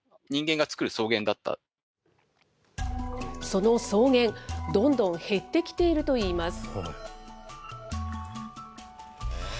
その草原、どんどん減ってきているといいます。